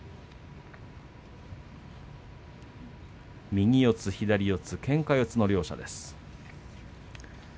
右四つ左四つけんか四つの両者です。